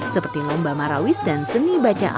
seperti lomba marawis dan seni baca al quran